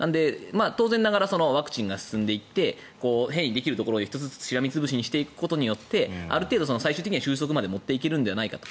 当然ながらワクチンが進んでいって変異できるところを１つずつしらみ潰しにしていくことによってある程度、収束に持っていけるんじゃないかと。